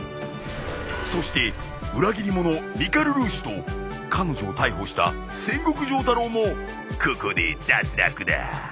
そして裏切り者ミカルルーシュと彼女を逮捕した千石城太郎もここで脱落だ。